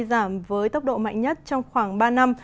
giảm với tốc độ mạnh nhất trong khoảng ba năm